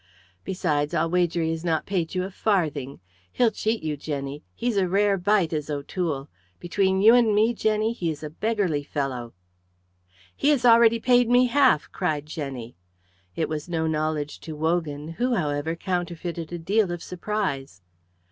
Besides, I'll wager he has not paid you a farthing. He'll cheat you, Jenny. He's a rare bite is O'Toole. Between you and me, Jenny, he is a beggarly fellow!" "He has already paid me half," cried Jenny. It was no knowledge to Wogan, who, however, counterfeited a deal of surprise.